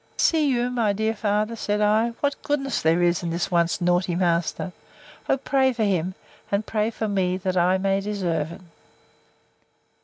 See you, my dear father, said I, what goodness there is in this once naughty master! O pray for him! and pray for me, that I may deserve it!